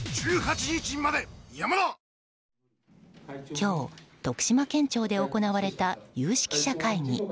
今日、徳島県庁で行われた有識者会議。